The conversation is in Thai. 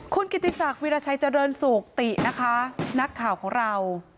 คุณกิติศักดิราชัยเจริญสุขตินะคะนักข่าวของเรา